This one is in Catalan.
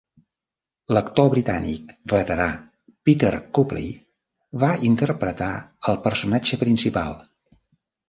L'actor britànic veterà, Peter Copley, va interpretar el personatge principal.